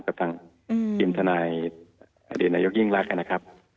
กับทางทีมทนายอดีตนายกยิ่งรักนะครับ